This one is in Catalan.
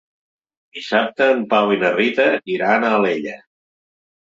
Dissabte en Pau i na Rita iran a Alella.